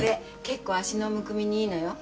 結構あしのむくみにいいのよ。へ。